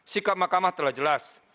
sikap mahkamah telah jelas